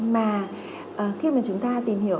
mà khi mà chúng ta tìm hiểu